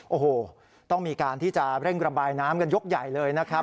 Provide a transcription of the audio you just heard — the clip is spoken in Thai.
โอ้โหต้องมีการที่จะเร่งระบายน้ำกันยกใหญ่เลยนะครับ